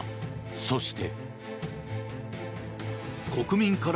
そして。